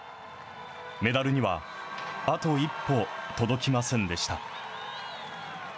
メダルにはあと一歩届きませんでした。